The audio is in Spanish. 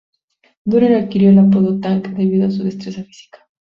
Durrell adquirió el apodo "Tank" debido a su destreza física.